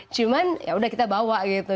cuman yaudah kita bawa gitu